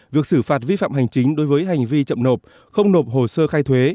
việc xử phạt vi phạm hành chính đối với hành vi chậm nộp không nộp hồ sơ khai thuế